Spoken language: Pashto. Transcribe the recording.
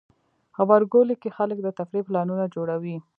غبرګولی کې خلک د تفریح پلانونه جوړوي.